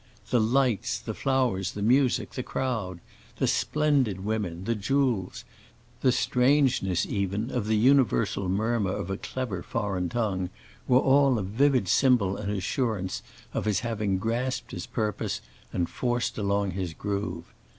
The lights, the flowers, the music, the crowd, the splendid women, the jewels, the strangeness even of the universal murmur of a clever foreign tongue were all a vivid symbol and assurance of his having grasped his purpose and forced along his groove.